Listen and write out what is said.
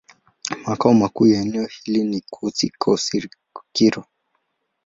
Makao makuu ya eneo hilo ni Kouassi-Kouassikro.